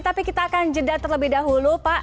tapi kita akan jeda terlebih dahulu pak